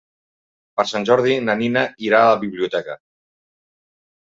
Per Sant Jordi na Nina irà a la biblioteca.